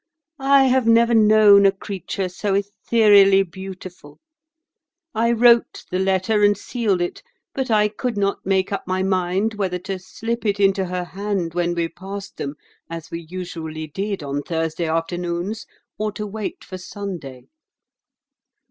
I have never known a creature so ethereally beautiful. I wrote the letter and sealed it, but I could not make up my mind whether to slip it into her hand when we passed them, as we usually did on Thursday afternoons, or to wait for Sunday."